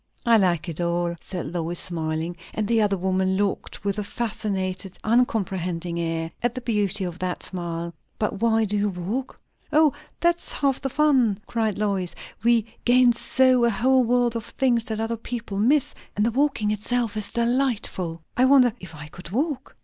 "I like it all," said Lois, smiling. And the other woman looked, with a fascinated, uncomprehending air, at the beauty of that smile. "But why do you walk?" "O, that's half the fun," cried Lois. "We gain so a whole world of things that other people miss. And the walking itself is delightful." "I wonder if I could walk?"